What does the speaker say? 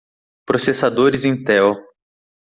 Processadores Intel.